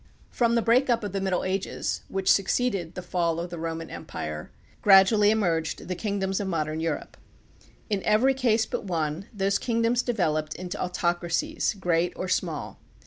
From the break up of the Middle Ages, which suc ceeded the fall of the Roman Empire, gradually emerged the kingdoms of modern Europe. In every case but one those kingdoms developed into autoc racies, great or small.